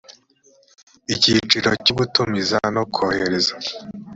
icyiciro cya gutumiza no kohereza